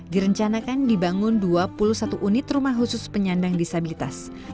direncanakan dibangun dua puluh satu unit rumah khusus penyandang disabilitas